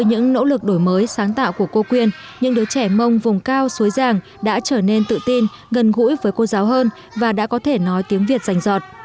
với những nỗ lực đổi mới sáng tạo của cô quyên những đứa trẻ mông vùng cao suối ràng đã trở nên tự tin gần gũi với cô giáo hơn và đã có thể nói tiếng việt rành rọt